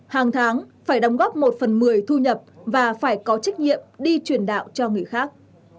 hàng tháng phải đóng góp một phần một mươi thu nhập và phải có trách nhiệm đi truyền đạo cho người khác